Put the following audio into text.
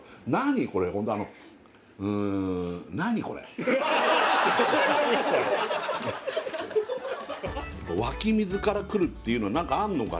ホント湧き水からくるっていうの何かあるのかね？